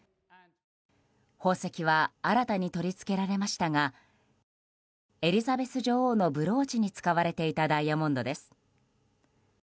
宝石は新たに取り付けられましたがエリザベス女王のブローチに使われていたダイヤモンドです。